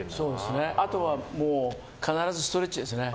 あとは必ずストレッチですね。